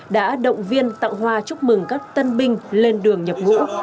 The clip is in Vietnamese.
đã động viên tặng hoa chúc mừng các tân binh lên đường nhập ngũ